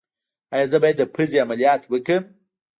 ایا زه باید د پوزې عملیات وکړم؟